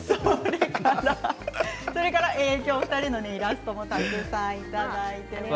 お二人のイラストもたくさんいただいています。